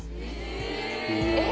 えっ？